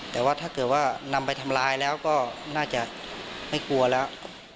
แต่ว่าถ้าเกิดว่านำไปทำร้ายแล้วก็น่าจะไม่กลัวแล้ว